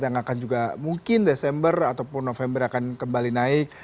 yang akan juga mungkin desember ataupun november akan kembali naik